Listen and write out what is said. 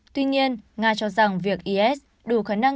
tuy nhiên nga cho rằng việc is đủ khả năng